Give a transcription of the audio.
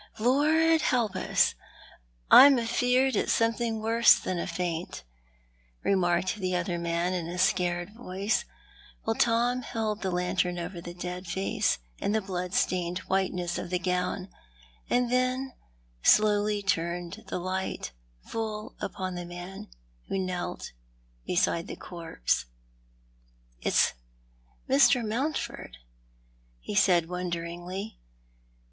" Lord help us ! I'm afeard it's something worse than a faint," remarked the other man in a scared voice, while Tom held the lantern over the dead face and the blood stained whiteness of the gown, and then slowly turned the light full upon the man who knelt beside the corpse. " It's Mr. Mountford," he said, wonderingly.